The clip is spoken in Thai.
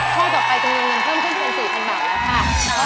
โทษต่อไปจะมีเงินเพิ่มขึ้นเป็น๔๐๐๐บาทแล้วค่ะ